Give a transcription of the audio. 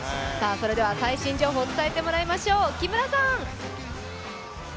最新情報を伝えてもらいましょう、木村さん。